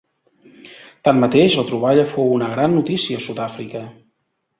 Tanmateix, la troballa fou una gran notícia a Sud-àfrica.